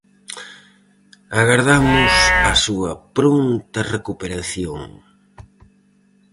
Agardamos a súa pronta recuperación.